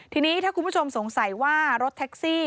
ทีนี้ถ้าคุณผู้ชมสงสัยว่ารถแท็กซี่